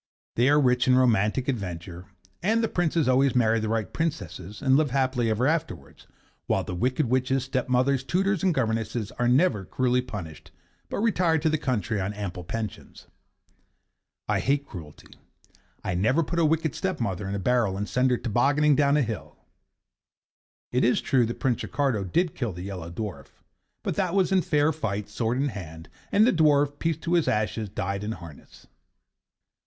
They are rich in romantic adventure, and the Princes always marry the right Princesses and live happy ever afterwards; while the wicked witches, stepmothers, tutors and governesses are never cruelly punished, but retire to the country on ample pensions. I hate cruelty: I never put a wicked stepmother in a barrel and send her tobogganing down a hill. It is true that Prince Ricardo did kill the Yellow Dwarf; but that was in fair fight, sword in hand, and the dwarf, peace to his ashes! died in harness.